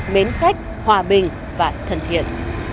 mến khách hòa bình và thân thiện